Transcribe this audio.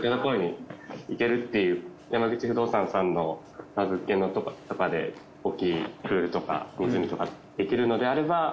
行けるっていう山口不動産さんの物件とかでおっきいプールとか湖とかできるのであれば。